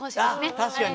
確かに。